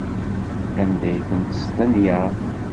Anda ay tent-testenyaḍ?